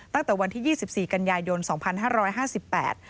ตั้งแต่วันที่๒๔กันยายยนต์๒๕๕๘